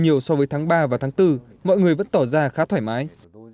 nhiều so với tháng ba và tháng bốn mọi người vẫn tỏ ra khá thoải mái